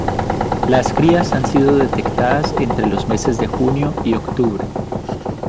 Las crías han sido detectadas entre los meses de junio y octubre.